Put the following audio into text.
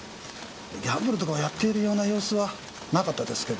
ギャンブルとかはやっているような様子はなかったですけど。